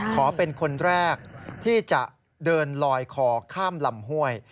ขอเป็นคนแรกที่จะเดินลอยคอข้ามลำห้วย